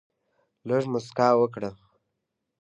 لږ مسکا وکړه.